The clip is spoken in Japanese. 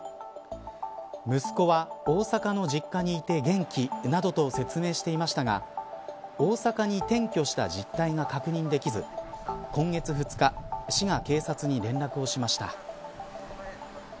息子は、大阪の実家にいて元気などと説明していましたが大阪に転居した実態が確認できず今月２日市が警察に連絡をしました。